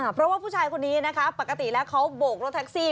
เพราะว่าผู้ชายคนนี้นะคะปกติแล้วเขาโบกรถแท็กซี่